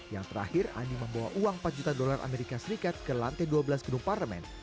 yang terakhir andi membawa uang empat juta dolar amerika serikat ke lantai dua belas gedung parlemen